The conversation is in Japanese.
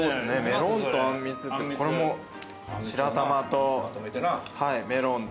メロンとあんみつってこれも白玉とメロンと。